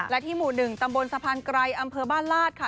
และที่หมู่๑ตำบลสะพานไกรอำเภอบ้านลาดค่ะ